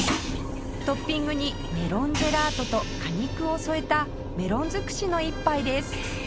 トッピングにメロンジェラートと果肉を添えたメロン尽くしの一杯です